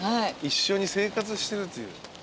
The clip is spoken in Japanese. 一緒に生活してるっていう。